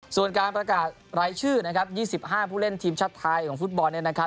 ส่วนการประกาศรายชื่อนะครับ๒๕ผู้เล่นทีมชาติไทยของฟุตบอลเนี่ยนะครับ